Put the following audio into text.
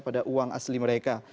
pada uang asli mereka